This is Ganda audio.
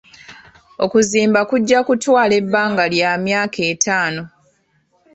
Okuzimba kujja kutwala ebbanga lya myaka etaano.